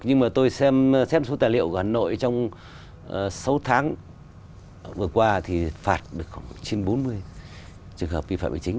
nhưng mà tôi xem số tài liệu của hà nội trong sáu tháng vừa qua thì phạt được khoảng trên bốn mươi trường hợp vi phạm hành chính